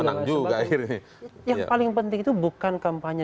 yang paling penting itu bukan kampanye dihadiri banyak